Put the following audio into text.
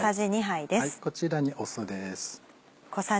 こちらに酢です。